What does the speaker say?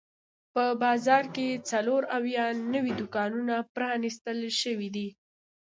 په بازار کې څلور اویا نوي دوکانونه پرانیستل شوي دي.